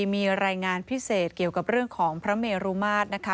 มีรายงานพิเศษเกี่ยวกับเรื่องของพระเมรุมาตรนะคะ